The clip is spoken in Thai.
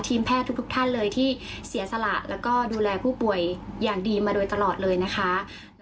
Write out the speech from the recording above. แพทย์ทุกท่านเลยที่เสียสละแล้วก็ดูแลผู้ป่วยอย่างดีมาโดยตลอดเลยนะคะ